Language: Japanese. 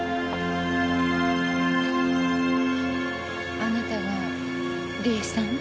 あなたが理恵さん？